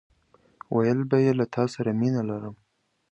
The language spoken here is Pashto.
ويل به يې له تاسره مينه لرم!